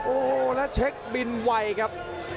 โอ้โหแล้วเช็คบินไวครับ